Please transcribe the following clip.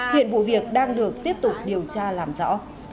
huyện bụi việc đang được tiếp tục điều tra làm rõ